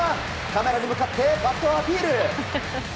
カメラに向かってバットをアピール！